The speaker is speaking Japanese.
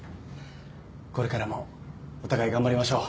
これからもお互い頑張りましょう。